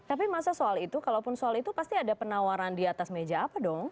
tapi masa soal itu kalaupun soal itu pasti ada penawaran di atas meja apa dong